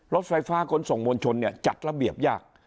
รถไฟฟ้าขนส่งมวลชนเนี่ยจัดระเบียบยาก